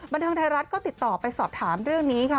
บันเทิงไทยรัฐก็ติดต่อไปสอบถามเรื่องนี้ค่ะ